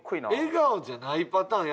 笑顔じゃないパターン